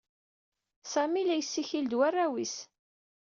Sami la yessikil d warraw-is.